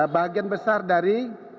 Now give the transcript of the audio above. bagian besar dari